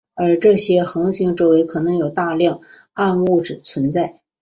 而这些恒星周围可能有大量暗物质存在。